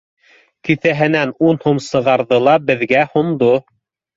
Кеҫәһенән ун һум сығарҙы ла, беҙгә һондо.